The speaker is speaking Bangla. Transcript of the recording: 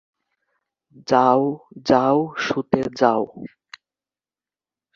যাও যাও, শুতে যাও।